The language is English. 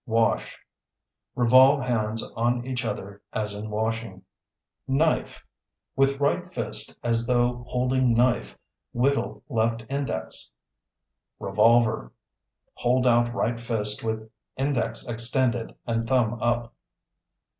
Wash (Revolve hands on each other as in washing). Knife (With right fist as though holding knife, whittle left index). Revolver (Hold out right fist with index extended and thumb up).